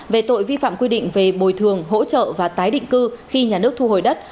về tội vi phạm quy định về bồi thường hỗ trợ và tái định cư khi nhà nước thu hồi đất